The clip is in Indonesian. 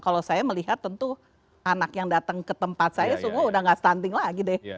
kalau saya melihat tentu anak yang datang ke tempat saya semua udah gak stunting lagi deh